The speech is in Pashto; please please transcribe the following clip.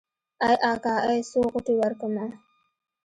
ای اکا ای څو غوټې ورکمه.